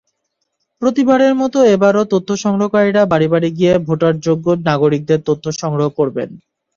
প্রতিবারের মতো এবারও তথ্যসংগ্রহকারীরা বাড়ি বাড়ি গিয়ে ভোটারযোগ্য নাগরিকদের তথ্য সংগ্রহ করবেন।